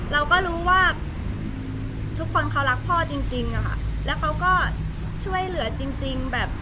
เราก็รู้ว่าทุกคนเขารักพ่อจริงจริงอะค่ะแล้วเขาก็ช่วยเหลือจริงจริงแบบ